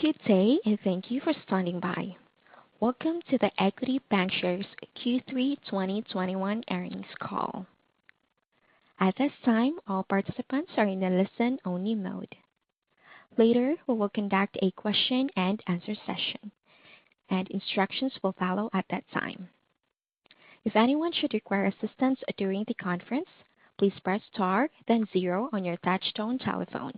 Good day. Thank you for standing by. Welcome to the Equity Bancshares Q3 2021 Earnings Call. At this time, all participants are in a listen-only mode. Later, we will conduct a question and answer session, and instructions will follow at that time. If anyone should require assistance during the conference, please press star then zero on your touchtone telephone.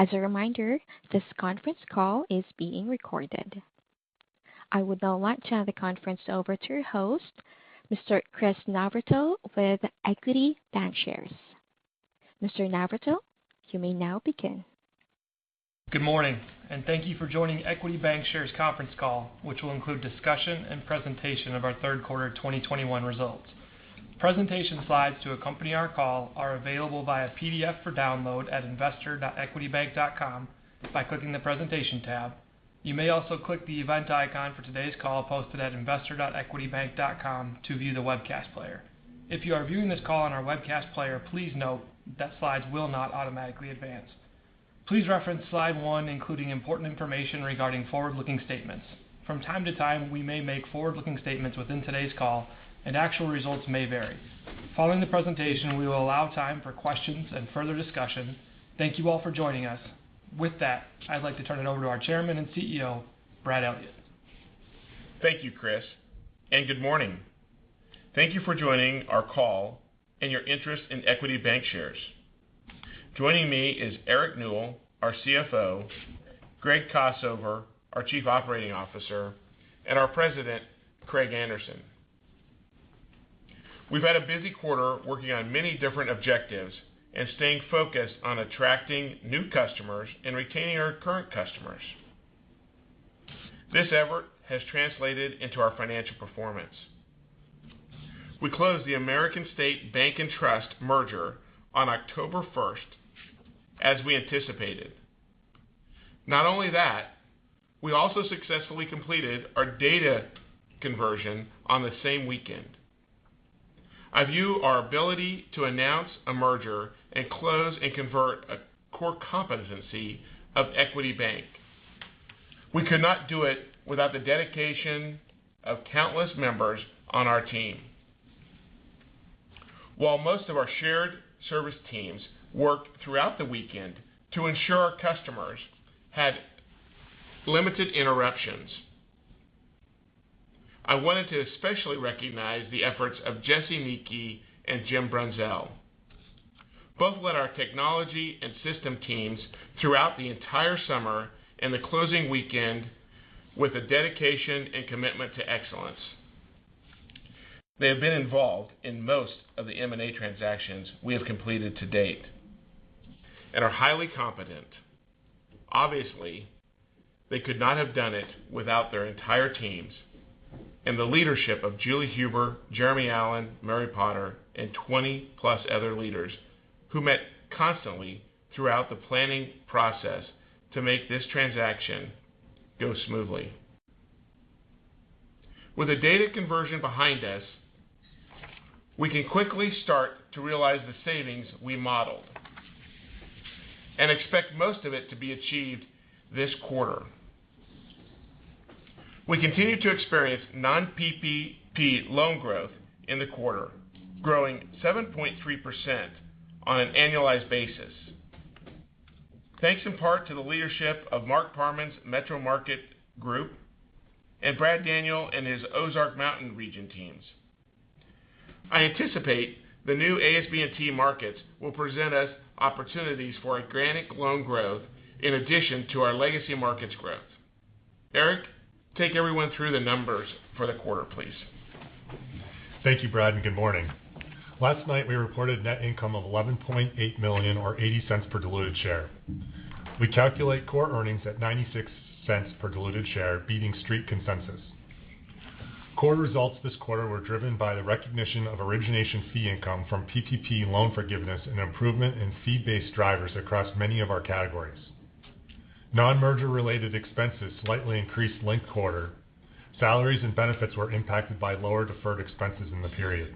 As a reminder, this conference call is being recorded. I would now like to hand the conference over to your host, Mr. Chris Navratil, with Equity Bancshares. Mr. Navratil, you may now begin. Good morning. Thank you for joining Equity Bancshares Conference Call, which will include discussion and presentation of our third quarter 2021 results. Presentation slides to accompany our call are available via PDF for download at investor.equitybank.com by clicking the Presentation tab. You may also click the event icon for today's call posted at investor.equitybank.com to view the webcast player. If you are viewing this call on our webcast player, please note that slides will not automatically advance. Please reference slide one, including important information regarding forward-looking statements. From time to time, we may make forward-looking statements within today's call. Actual results may vary. Following the presentation, we will allow time for questions and further discussion. Thank you all for joining us. With that, I'd like to turn it over to our Chairman and CEO, Brad Elliott. Thank you, Chris, and good morning. Thank you for joining our call and your interest in Equity Bancshares. Joining me is Eric Newell, our CFO, Greg Kossover, our Chief Operating Officer, and our President, Craig Anderson. We've had a busy quarter working on many different objectives and staying focused on attracting new customers and retaining our current customers. This effort has translated into our financial performance. We closed the American State Bank & Trust merger on October 1st, as we anticipated. Not only that, we also successfully completed our data conversion on the same weekend. I view our ability to announce a merger and close and convert a core competency of Equity Bank. We could not do it without the dedication of countless members on our team. While most of our shared service teams worked throughout the weekend to ensure our customers had limited interruptions, I wanted to especially recognize the efforts of Jesse Nienke and Jim Brunzell. Both led our technology and system teams throughout the entire summer and the closing weekend with a dedication and commitment to excellence. They have been involved in most of the M&A transactions we have completed to date and are highly competent. Obviously, they could not have done it without their entire teams and the leadership of Julie Huber, Jeremy Allen, Mary Potter, and 20-plus other leaders who met constantly throughout the planning process to make this transaction go smoothly. With the data conversion behind us, we can quickly start to realize the savings we modeled and expect most of it to be achieved this quarter. We continue to experience non-PPP loan growth in the quarter, growing 7.3% on an annualized basis, thanks in part to the leadership of Mark Parman's metro market group and Brad Daniels and his Ozark Mountain Region teams. I anticipate the new ASB&T markets will present us opportunities for organic loan growth in addition to our legacy markets growth. Eric, take everyone through the numbers for the quarter, please. Thank you, Brad, and good morning. Last night, we reported net income of $11.8 million, or $0.80 per diluted share. We calculate core earnings at $0.96 per diluted share, beating Street consensus. Core results this quarter were driven by the recognition of origination fee income from PPP loan forgiveness and improvement in fee-based drivers across many of our categories. Non-merger related expenses slightly increased linked quarter. Salaries and benefits were impacted by lower deferred expenses in the period.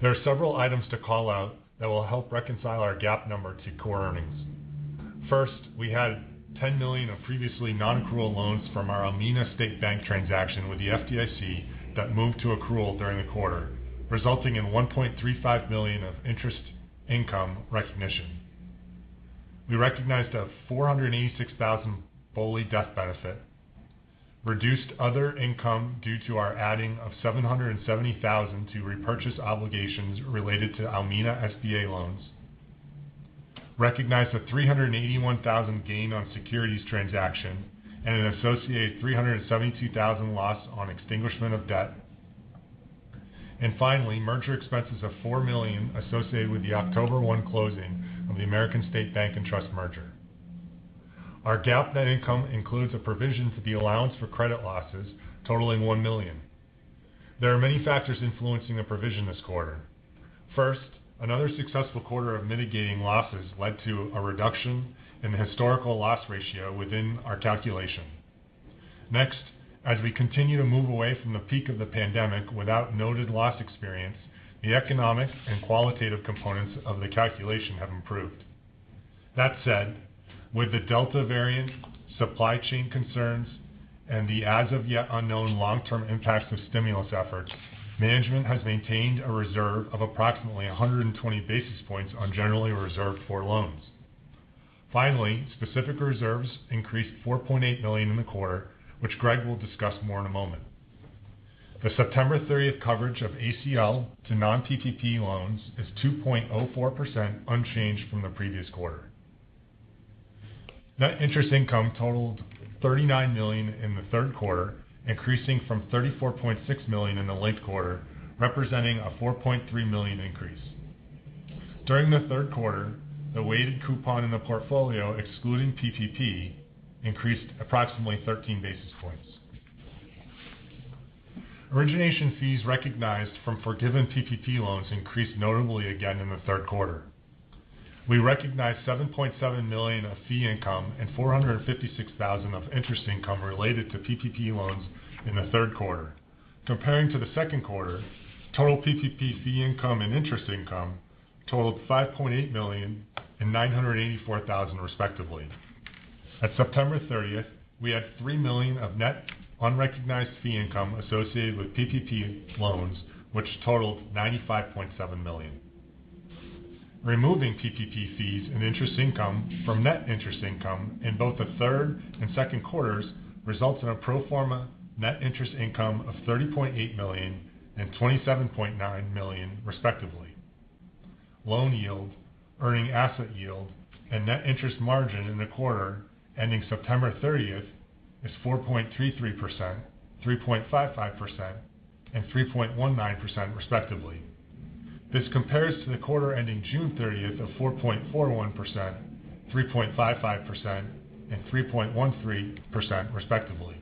There are several items to call out that will help reconcile our GAAP number to core earnings. First, we had $10 million of previously non-accrual loans from our Almena State Bank transaction with the FDIC that moved to accrual during the quarter, resulting in $1.35 million of interest income recognition. We recognized a $486,000 BOLI death benefit, reduced other income due to our adding of $770,000 to repurchase obligations related to Almena SBA loans, recognized a $381,000 gain on securities transaction and an associated $372,000 loss on extinguishment of debt. Finally, merger expenses of $4 million associated with the October 1 closing of the American State Bank & Trust merger. Our GAAP net income includes a provision for the allowance for credit losses totaling $1 million. There are many factors influencing the provision this quarter. First, another successful quarter of mitigating losses led to a reduction in the historical loss ratio within our calculation. Next, as we continue to move away from the peak of the pandemic without noted loss experience, the economic and qualitative components of the calculation have improved. That said, with the Delta variant, supply chain concerns, and the as-of-yet unknown long-term impacts of stimulus efforts, management has maintained a reserve of approximately 120 basis points on generally reserved for loans. Finally, specific reserves increased $4.8 million in the quarter, which Greg will discuss more in a moment. The September 30th coverage of ACL to non-PPP loans is 2.04%, unchanged from the previous quarter. Net interest income totaled $39 million in the third quarter, increasing from $34.6 million in the last quarter, representing a $4.3 million increase. During the third quarter, the weighted coupon in the portfolio, excluding PPP, increased approximately 13 basis points. Origination fees recognized from forgiven PPP loans increased notably again in the third quarter. We recognized $7.7 million of fee income and $456,000 of interest income related to PPP loans in the third quarter. Comparing to the second quarter, total PPP fee income and interest income totaled $5.8 million and $984,000 respectively. At September 30th, we had $3 million of net unrecognized fee income associated with PPP loans, which totaled $95.7 million. Removing PPP fees and interest income from net interest income in both the third and second quarters results in a pro forma net interest income of $30.8 million and $27.9 million respectively. Loan yield, earning asset yield, and net interest margin in the quarter ending September 30th is 4.33%, 3.55%, and 3.19% respectively. This compares to the quarter ending June 30th of 4.41%, 3.55%, and 3.13% respectively.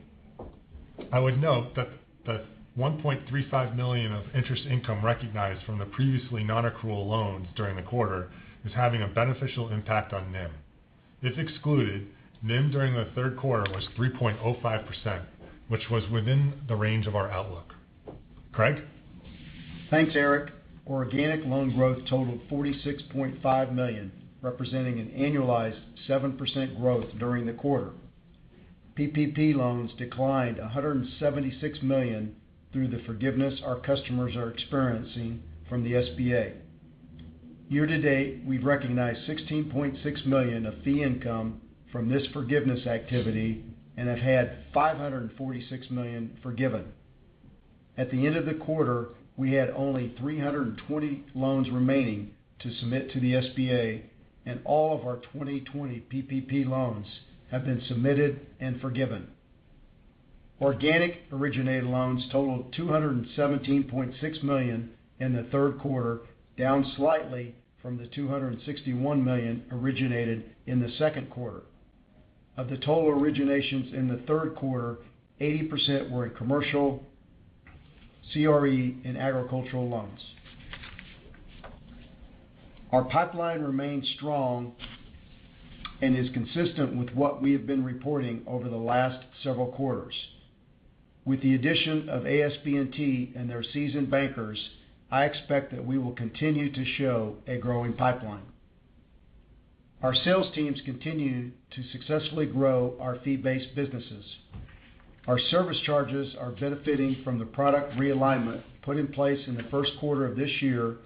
I would note that the $1.35 million of interest income recognized from the previously non-accrual loans during the quarter is having a beneficial impact on NIM. If excluded, NIM during the third quarter was 3.05%, which was within the range of our outlook. Craig? Thanks, Eric. Organic loan growth totaled $46.5 million, representing an annualized 7% growth during the quarter. PPP loans declined $176 million through the forgiveness our customers are experiencing from the SBA. Year-to-date, we've recognized $16.6 million of fee income from this forgiveness activity and have had $546 million forgiven. At the end of the quarter, we had only 320 loans remaining to submit to the SBA, all of our 2020 PPP loans have been submitted and forgiven. Organic originated loans totaled $217.6 million in the third quarter, down slightly from the $261 million originated in the second quarter. Of the total originations in the third quarter, 80% were in commercial, CRE, and agricultural loans. Our pipeline remains strong and is consistent with what we have been reporting over the last several quarters. With the addition of ASB&T and their seasoned bankers, I expect that we will continue to show a growing pipeline. Our sales teams continue to successfully grow our fee-based businesses. Our service charges are benefiting from the product realignment put in place in the first quarter of this year,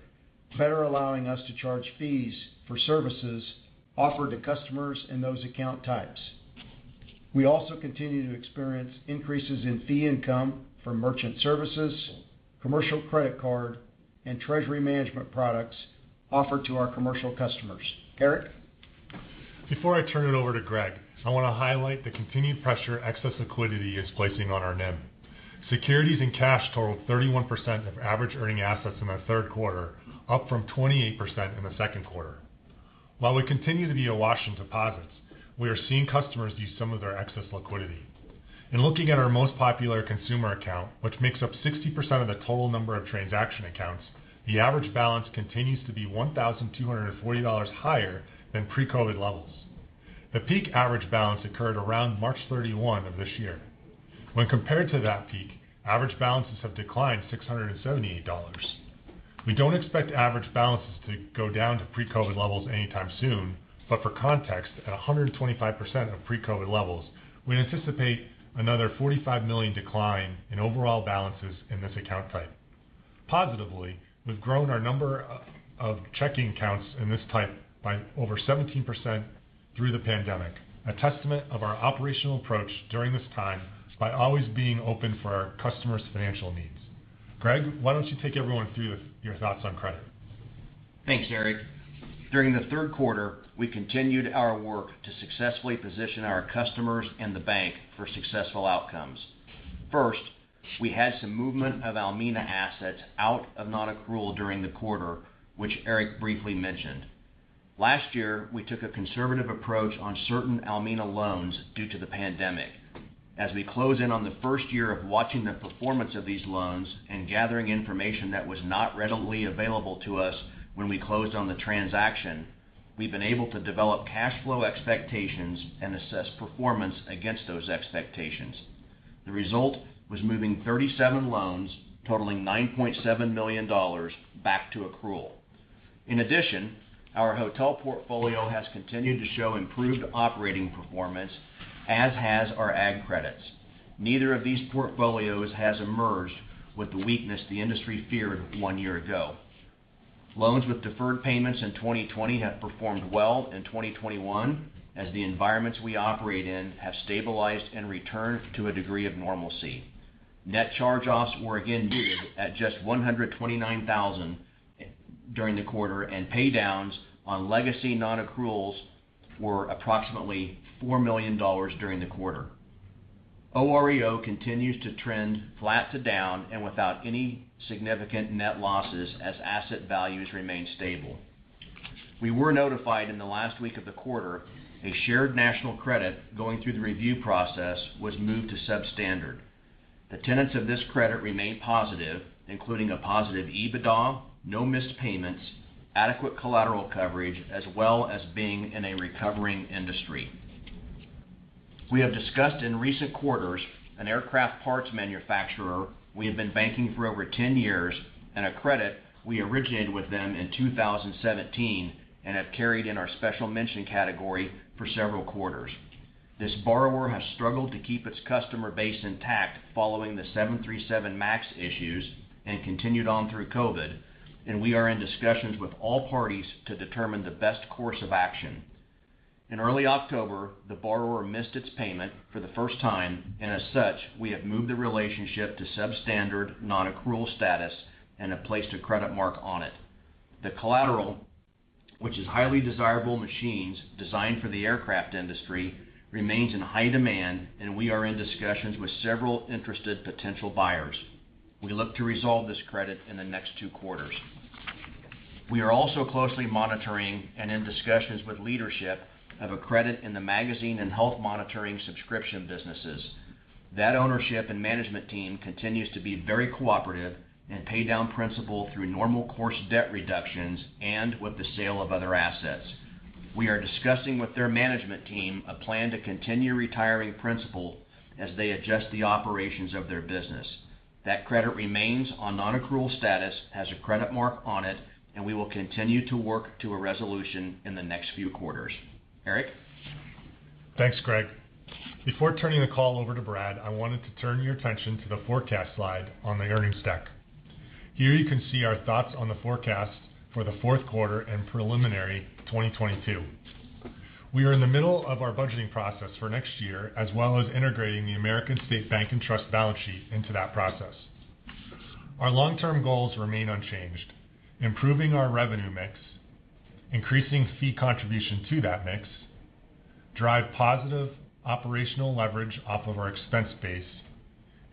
better allowing us to charge fees for services offered to customers in those account types. We also continue to experience increases in fee income from merchant services, commercial credit card, and treasury management products offered to our commercial customers. Eric? Before I turn it over to Greg, I want to highlight the continued pressure excess liquidity is placing on our NIM. Securities and cash totaled 31% of average earning assets in our third quarter, up from 28% in the second quarter. While we continue to be awash in deposits, we are seeing customers use some of their excess liquidity. In looking at our most popular consumer account, which makes up 60% of the total number of transaction accounts, the average balance continues to be $1,240 higher than pre-COVID levels. The peak average balance occurred around March 31 of this year. When compared to that peak, average balances have declined $678. We don't expect average balances to go down to pre-COVID levels anytime soon, but for context, at 125% of pre-COVID levels, we anticipate another $45 million decline in overall balances in this account type. Positively, we've grown our number of checking accounts in this type by over 17% through the pandemic, a testament of our operational approach during this time by always being open for our customers' financial needs. Greg, why don't you take everyone through your thoughts on credit? Thanks, Eric. During the third quarter, we continued our work to successfully position our customers and the bank for successful outcomes. First, we had some movement of Almena assets out of non-accrual during the quarter, which Eric briefly mentioned. Last year, we took a conservative approach on certain Almena loans due to the pandemic. As we close in on the first year of watching the performance of these loans and gathering information that was not readily available to us when we closed on the transaction. We've been able to develop cash flow expectations and assess performance against those expectations. The result was moving 37 loans totaling $9.7 million back to accrual. In addition, our hotel portfolio has continued to show improved operating performance, as has our ag credits. Neither of these portfolios has emerged with the weakness the industry feared one year ago. Loans with deferred payments in 2020 have performed well in 2021, as the environments we operate in have stabilized and returned to a degree of normalcy. Net charge-offs were again at just $129,000 during the quarter, and pay-downs on legacy non-accruals were approximately $4 million during the quarter. OREO continues to trend flat to down and without any significant net losses as asset values remain stable. We were notified in the last week of the quarter, a shared national credit going through the review process was moved to substandard. The tenets of this credit remain positive, including a positive EBITDA, no missed payments, adequate collateral coverage, as well as being in a recovering industry. We have discussed in recent quarters an aircraft parts manufacturer we have been banking for over 10 years and a credit we originated with them in 2017 and have carried in our special mention category for several quarters. This borrower has struggled to keep its customer base intact following the 737 MAX issues and continued on through COVID, and we are in discussions with all parties to determine the best course of action. In early October, the borrower missed its payment for the first time, and as such, we have moved the relationship to substandard non-accrual status and have placed a credit mark on it. The collateral, which is highly desirable machines designed for the aircraft industry, remains in high demand, and we are in discussions with several interested potential buyers. We look to resolve this credit in the next two quarters. We are also closely monitoring and in discussions with leadership of a credit in the magazine and health monitoring subscription businesses. That ownership and management team continues to be very cooperative and pay down principal through normal course debt reductions and with the sale of other assets. We are discussing with their management team a plan to continue retiring principal as they adjust the operations of their business. That credit remains on non-accrual status, has a credit mark on it, and we will continue to work to a resolution in the next few quarters. Eric? Thanks, Greg. Before turning the call over to Brad, I wanted to turn your attention to the forecast slide on the earnings deck. Here you can see our thoughts on the forecast for the fourth quarter and preliminary 2022. We are in the middle of our budgeting process for next year, as well as integrating the American State Bank & Trust balance sheet into that process. Our long-term goals remain unchanged. Improving our revenue mix, increasing fee contribution to that mix, drive positive operational leverage off of our expense base,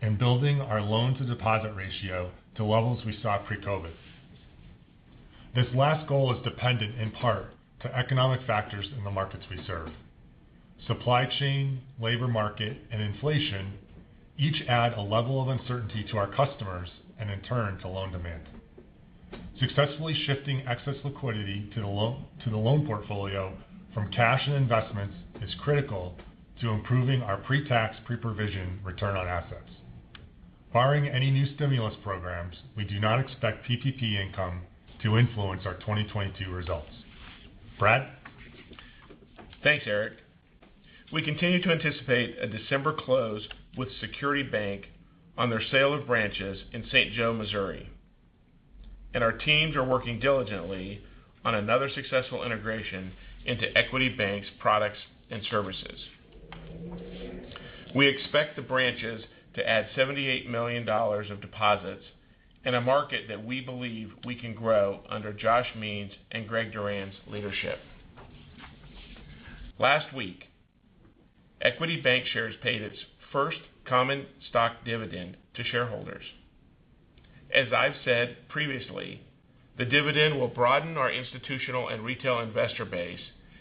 and building our loan-to-deposit ratio to levels we saw pre-COVID. This last goal is dependent in part to economic factors in the markets we serve. Supply chain, labor market, and inflation each add a level of uncertainty to our customers and in turn, to loan demand. Successfully shifting excess liquidity to the loan portfolio from cash and investments is critical to improving our pre-tax, pre-provision return on assets. Barring any new stimulus programs, we do not expect PPP income to influence our 2022 results. Brad? Thanks, Eric. We continue to anticipate a December close with Security Bank on their sale of branches in St. Joe, Missouri. Our teams are working diligently on another successful integration into Equity Bank's products and services. We expect the branches to add $78 million of deposits in a market that we believe we can grow under Josh Means and Greg Duran's leadership. Last week, Equity Bancshares paid its first common stock dividend to shareholders. As I've said previously, the dividend will broaden our institutional and retail investor base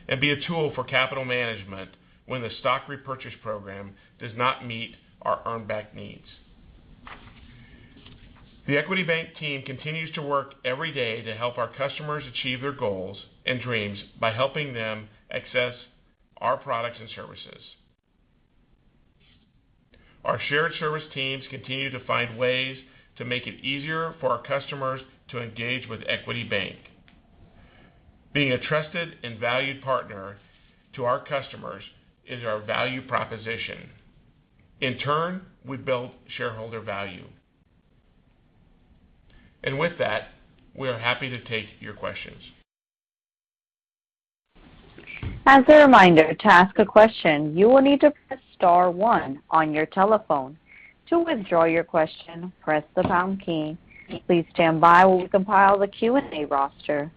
and be a tool for capital management when the stock repurchase program does not meet our earn back needs. The Equity Bank team continues to work every day to help our customers achieve their goals and dreams by helping them access our products and services. Our shared service teams continue to find ways to make it easier for our customers to engage with Equity Bank. Being a trusted and valued partner to our customers is our value proposition. In turn, we build shareholder value. With that, we are happy to take your questions. As a reminder, to ask a question, you will need to press star one on your telephone. To withdraw your question, press the pound key. Please stand by while we compile the Q&A roster.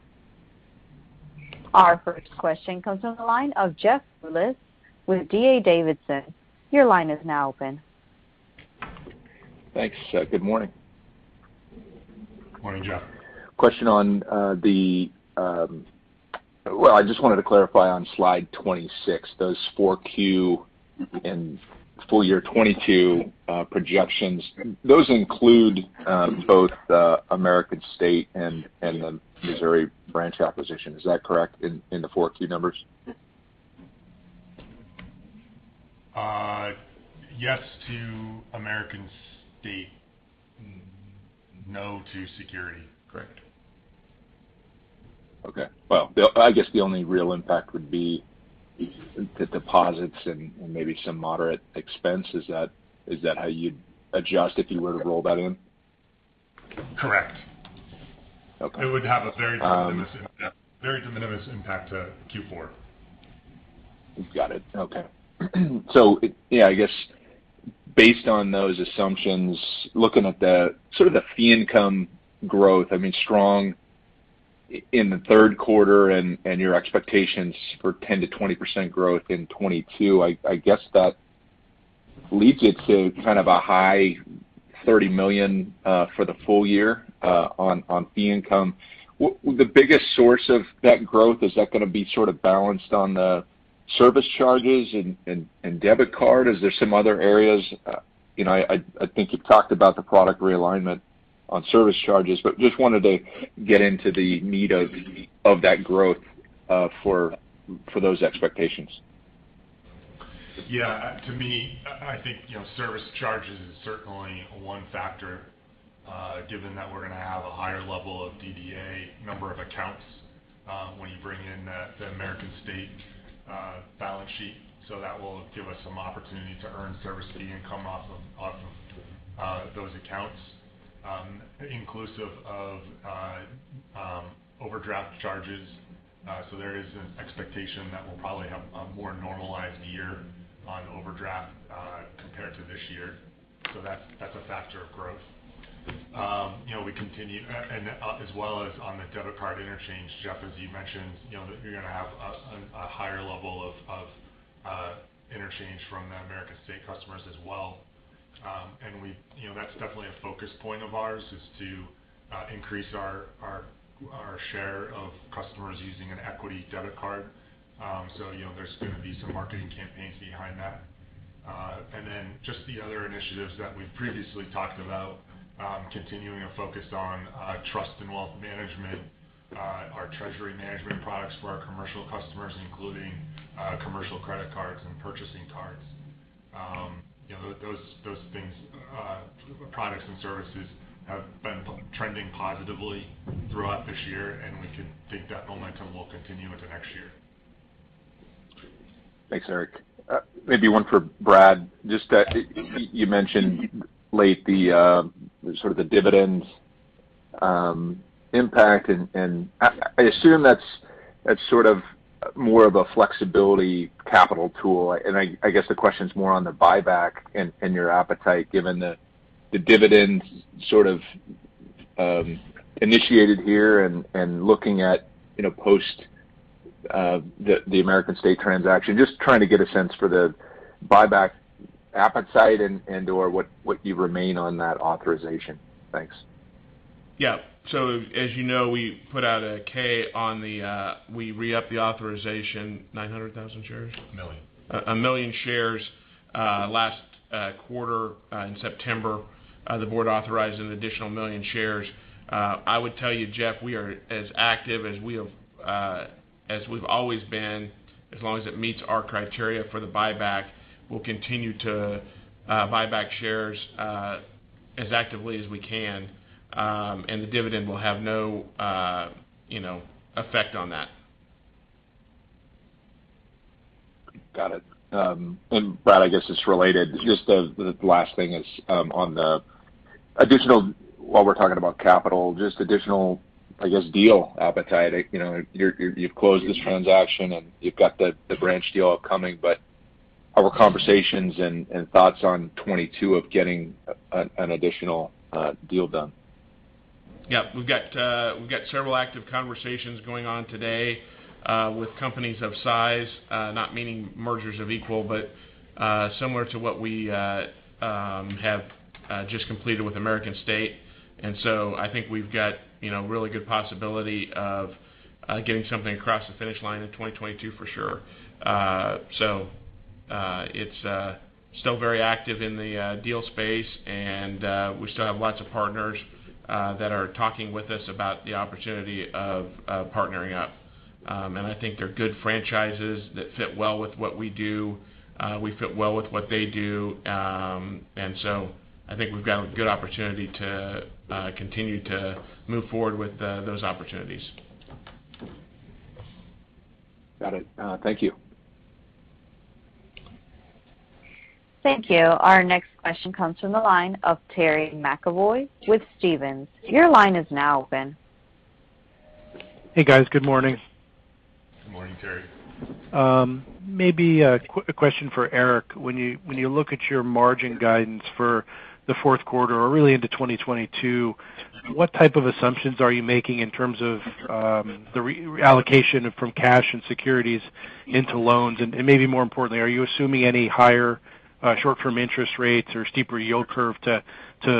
Our first question comes on the line of Jeff Rulis with D.A. Davidson. Your line is now open. Thanks. Good morning. Morning, Jeff. Well, I just wanted to clarify on slide 26, those 4Q and full year 2022 projections, those include both American State and the Missouri branch acquisition. Is that correct, in the 4Q numbers? Yes to American State, no to Security. Correct. Okay. Well, I guess the only real impact would be the deposits and maybe some moderate expense. Is that how you'd adjust if you were to roll that in? Correct. Okay. It would have a very de minimis impact to Q4. Got it. Okay. I guess based on those assumptions, looking at the fee income growth, strong in the third quarter and your expectations for 10%-20% growth in 2022, I guess that leads it to kind of a high $30 million for the full year on fee income. The biggest source of that growth, is that going to be balanced on the service charges and debit card? Is there some other areas? I think you've talked about the product realignment on service charges, but just wanted to get into the meat of that growth for those expectations. Yeah. To me, I think, service charges is certainly one factor, given that we're going to have a higher level of DDA number of accounts when you bring in the American State balance sheet. That will give us some opportunity to earn service fee income off of those accounts, inclusive of overdraft charges. There is an expectation that we'll probably have a more normalized year on overdraft compared to this year. That's a factor of growth. As well as on the debit card interchange, Jeff, as you mentioned, that you're going to have a higher level of interchange from the American State customers as well. That's definitely a focus point of ours, is to increase our share of customers using an Equity debit card. There's going to be some marketing campaigns behind that. Just the other initiatives that we've previously talked about, continuing a focus on trust and wealth management, our treasury management products for our commercial customers, including commercial credit cards and purchasing cards. Those things, products and services, have been trending positively throughout this year, and we can think that momentum will continue into next year. Thanks, Eric. Maybe one for Brad. Just that you mentioned late the sort of the dividends impact, and I assume that's sort of more of a flexibility capital tool. And I guess the question is more on the buyback and your appetite given the dividend sort of initiated here and looking at post the American State transaction. Just trying to get a sense for the buyback appetite and/or what you remain on that authorization. Thanks. Yeah. As you know, we put out a K on we re-up the authorization 900,000 shares? $1 million. 1 million shares. Last quarter, in September, the board authorized an additional 1 million shares. I would tell you, Jeff, we are as active as we've always been, as long as it meets our criteria for the buyback. We'll continue to buy back shares as actively as we can. The dividend will have no effect on that. Got it. Brad, I guess it's related. Just the last thing is while we're talking about capital, just additional, I guess, deal appetite. You've closed this transaction and you've got the branch deal upcoming, but our conversations and thoughts on 2022 of getting an additional deal done? Yeah. We've got several active conversations going on today with companies of size. Not meaning mergers of equal, but similar to what we have just completed with American State. I think we've got a really good possibility of getting something across the finish line in 2022 for sure. It's still very active in the deal space, and we still have lots of partners that are talking with us about the opportunity of partnering up. I think they're good franchises that fit well with what we do. We fit well with what they do. I think we've got a good opportunity to continue to move forward with those opportunities. Got it. Thank you. Thank you. Our next question comes from the line of Terry McEvoy with Stephens. Hey, guys. Good morning. Good morning, Terry. Maybe a question for Eric. When you look at your margin guidance for the fourth quarter or really into 2022, what type of assumptions are you making in terms of the reallocation from cash and securities into loans? Maybe more importantly, are you assuming any higher short-term interest rates or steeper yield curve to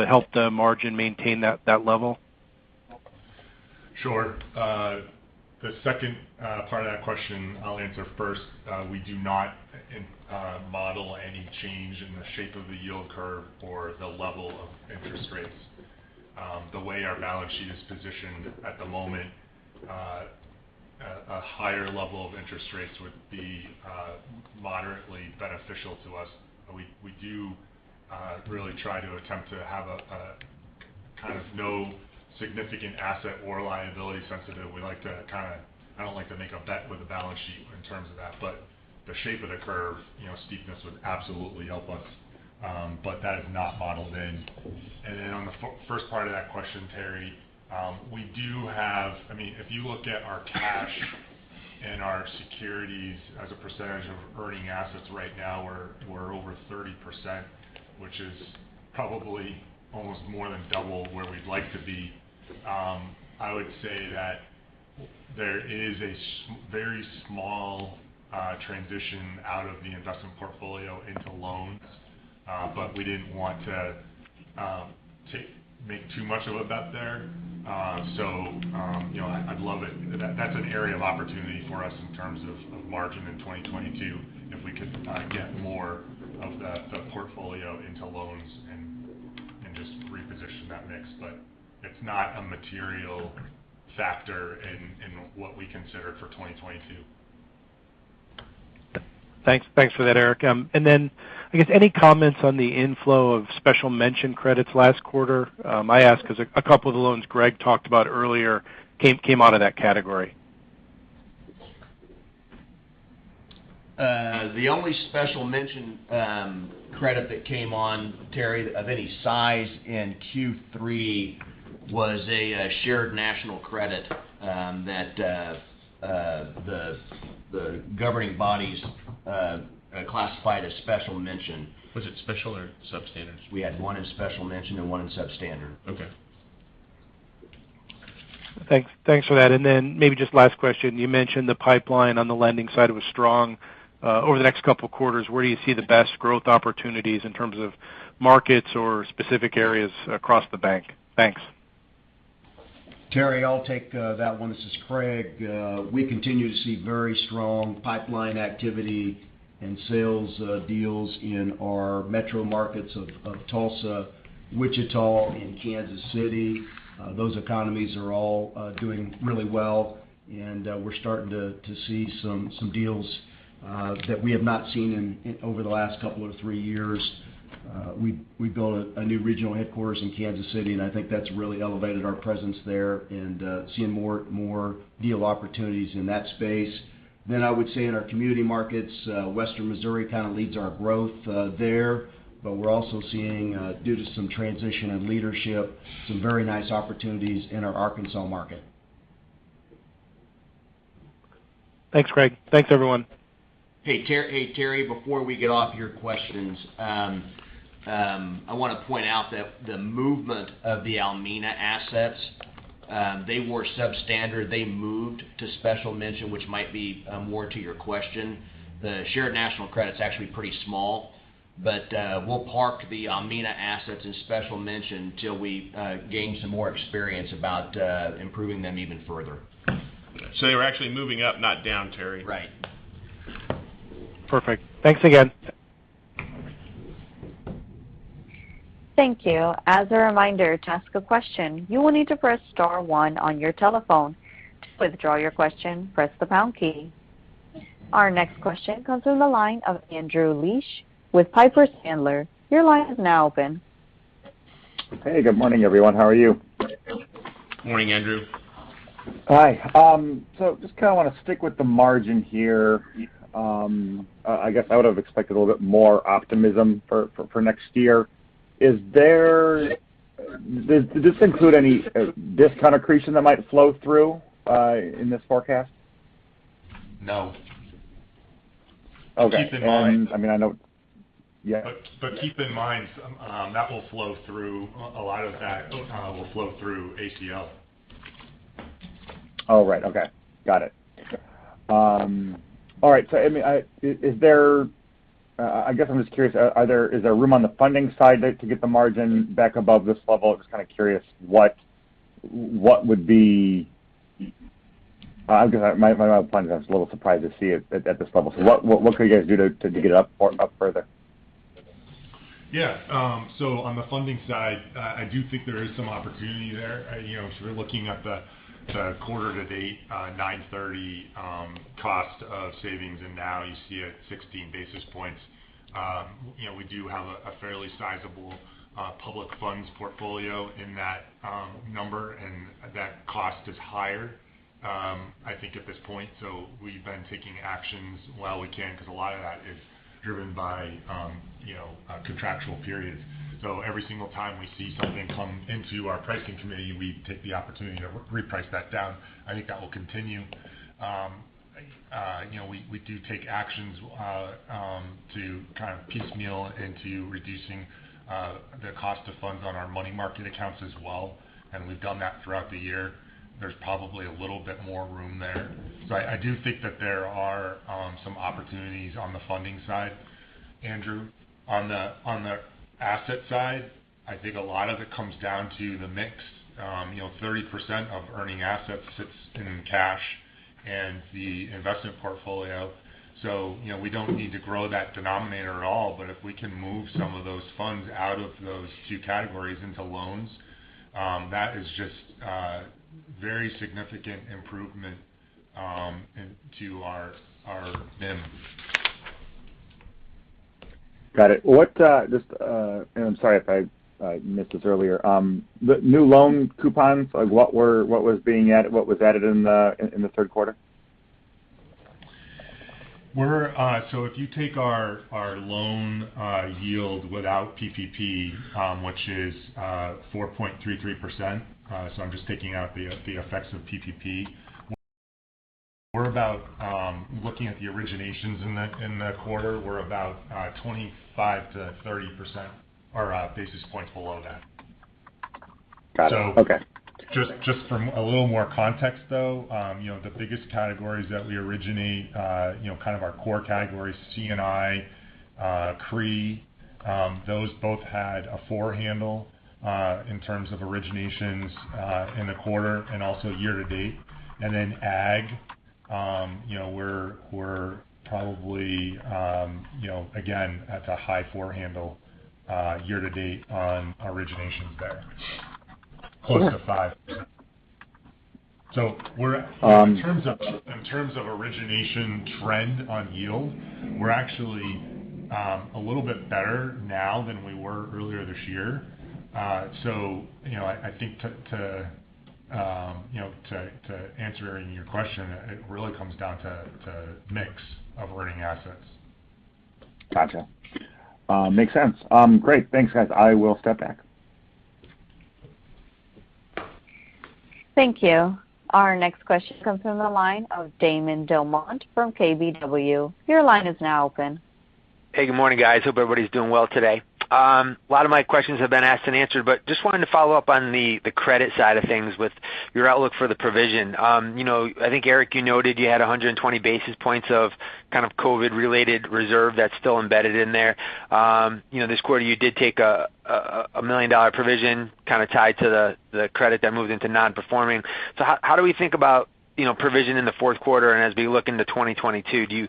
help the margin maintain that level? Sure. The second part of that question I'll answer first. We do not model any change in the shape of the yield curve or the level of interest rates. The way our balance sheet is positioned at the moment, a higher level of interest rates would be moderately beneficial to us. We do really try to attempt to have a kind of no significant asset or liability sensitive. I don't like to make a bet with a balance sheet in terms of that, but the shape of the curve, steepness would absolutely help us. That is not modeled in. On the first part of that question, Terry, if you look at our cash and our securities as a percentage of earning assets right now, we're over 30%, which is probably almost more than double where we'd like to be. I would say that there is a very small transition out of the investment portfolio into loans. We didn't want to make too much of a bet there. I'd love it. That's an area of opportunity for us in terms of margin in 2022 if we could get more of the portfolio into loans and just reposition that mix. It's not a material factor in what we consider for 2022. Thanks for that, Eric. I guess any comments on the inflow of special mention credits last quarter? I ask because a couple of the loans Greg talked about earlier came out of that category. The only special mention credit that came on, Terry, of any size in Q3 was a shared national credit that the governing bodies classified as special mention. Was it special or substandard? We had one in special mention and one in substandard. Okay. Thanks for that. Maybe just last question. You mentioned the pipeline on the lending side was strong. Over the next couple of quarters, where do you see the best growth opportunities in terms of markets or specific areas across the bank? Thanks. Terry, I'll take that one. This is Craig. We continue to see very strong pipeline activity and sales deals in our metro markets of Tulsa, Wichita, and Kansas City. Those economies are all doing really well. We're starting to see some deals that we have not seen over the last couple of three years. We built a new regional headquarters in Kansas City. I think that's really elevated our presence there and seeing more deal opportunities in that space. I would say in our community markets, Western Missouri kind of leads our growth there. We're also seeing due to some transition in leadership, some very nice opportunities in our Arkansas market. Thanks, Craig. Thanks, everyone. Hey, Terry, before we get off your questions, I want to point out that the movement of the Almena assets, they were substandard. They moved to special mention, which might be more to your question. The shared national credit's actually pretty small, but we'll park the Almena assets as special mention till we gain some more experience about improving them even further. They were actually moving up, not down, Terry. Right. Perfect. Thanks again. Thank you. As a reminder, to ask a question, you will need to press star one on your telephone. To withdraw your question, press the pound key. Our next question comes from the line of Andrew Liesch with Piper Sandler. Your line is now open. Hey, good morning, everyone. How are you? Morning, Andrew. Hi. I just kind of want to stick with the margin here. I guess I would have expected a little bit more optimism for next year. Does this include any discount accretion that might flow through in this forecast? No. Okay. Keep in mind- I mean, Yeah. Keep in mind that will flow through. A lot of that will flow through ACL. Oh, right. Okay. Got it. All right. I guess I'm just curious, is there room on the funding side to get the margin back above this level? I'm just kind of curious, I was a little surprised to see it at this level. What could you guys do to get it up further? On the funding side, I do think there is some opportunity there. We're looking at the quarter to date, 9/30 cost of savings, and now you see it 16 basis points. We do have a fairly sizable public funds portfolio in that number, and that cost is higher, I think at this point. We've been taking actions while we can because a lot of that is driven by contractual periods. Every single time we see something come into our pricing committee, we take the opportunity to reprice that down. I think that will continue. We do take actions to kind of piecemeal into reducing the cost of funds on our money market accounts as well, and we've done that throughout the year. There's probably a little bit more room there. I do think that there are some opportunities on the funding side, Andrew. On the asset side, I think a lot of it comes down to the mix. 30% of earning assets sits in cash and the investment portfolio. We don't need to grow that denominator at all, but if we can move some of those funds out of those two categories into loans, that is just very significant improvement to our NIM. Got it. I'm sorry if I missed this earlier. The new loan coupons, what was added in the third quarter? If you take our loan yield without PPP, which is 4.33%, so I'm just taking out the effects of PPP. Looking at the originations in the quarter, we're about 25%-30% are basis points below that. Got it. Okay. Just from a little more context, the biggest categories that we originate, kind of our core categories, C&I, CRE, those both had a four handle, in terms of originations in the quarter also year to date. AG, we're probably, again, at the high four handle year to date on originations there. Close to five. In terms of origination trend on yield, we're actually a little bit better now than we were earlier this year. I think to answer your question, it really comes down to mix of earning assets. Got you. Makes sense. Great. Thanks, guys. I will step back. Thank you. Our next question comes from the line of Damon DelMonte from KBW. Your line is now open. Hey, good morning, guys. Hope everybody's doing well today. Just wanted to follow up on the credit side of things with your outlook for the provision. I think, Eric, you noted you had 120 basis points of kind of COVID-related reserve that's still embedded in there. This quarter, you did take a $1 million provision kind of tied to the credit that moved into non-performing. How do we think about provision in the fourth quarter, and as we look into 2022? Do you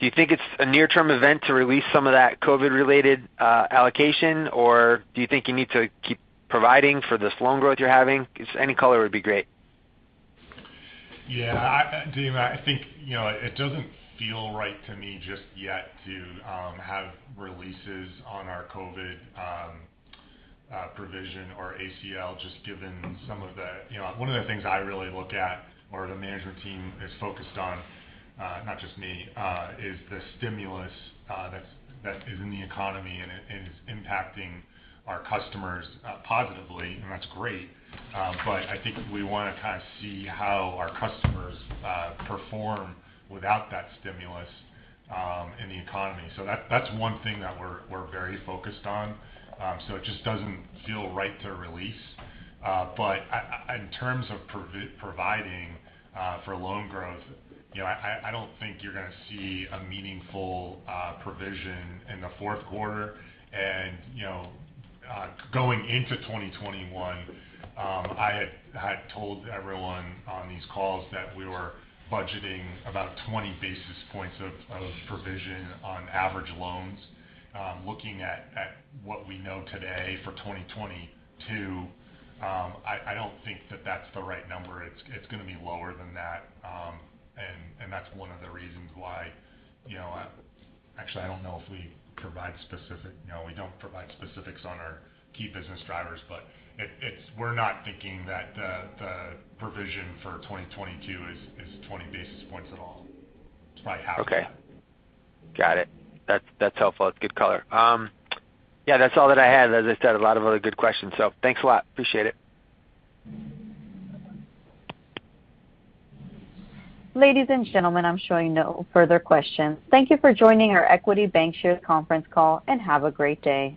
think it's a near-term event to release some of that COVID-related allocation, or do you think you need to keep providing for this loan growth you're having? Just any color would be great. Yeah. Damon, I think it doesn't feel right to me just yet to have releases on our COVID provision or ACL, just given one of the things I really look at or the management team is focused on, not just me, is the stimulus that is in the economy and is impacting our customers positively, and that's great. I think we want to kind of see how our customers perform without that stimulus in the economy. That's one thing that we're very focused on. It just doesn't feel right to release. In terms of providing for loan growth, I don't think you're going to see a meaningful provision in the fourth quarter. Going into 2021, I had told everyone on these calls that we were budgeting about 20 basis points of provision on average loans. Looking at what we know today for 2022, I don't think that that's the right number. It's going to be lower than that. That's one of the reasons why. Actually, I don't know if we provide No, we don't provide specifics on our key business drivers, but we're not thinking that the provision for 2022 is 20 basis points at all. It's probably half that. Okay. Got it. That's helpful. It's good color. Yeah, that's all that I had. As I said, a lot of other good questions, so thanks a lot. Appreciate it. Ladies and gentlemen, I'm showing no further questions. Thank you for joining our Equity Bancshares Conference Call, and have a great day.